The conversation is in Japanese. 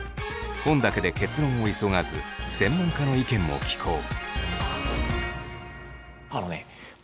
本だけで結論を急がず専門家の意見も聞こう。